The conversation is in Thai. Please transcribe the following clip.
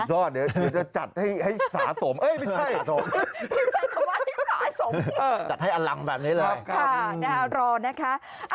ยอดเดี๋ยวจะจัดให้สะสมเอ้ยไม่ใช่จัดให้อลังแบบนี้เลยครับครับน่ารอนะคะ